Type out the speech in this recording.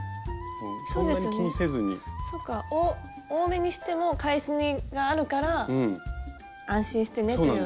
そっか多めにしても返し縫いがあるから安心してねっていう。